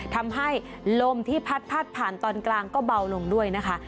ทำให้ลมที่พัดผ่านตอนกลางก็เบาลงด้วยนะคะ